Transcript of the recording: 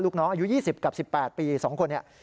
ลูกน้องอายุ๒๐กับ๑๘ปี๒คนเนี่ย